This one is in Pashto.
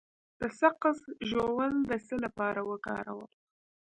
د سقز ژوول د څه لپاره وکاروم؟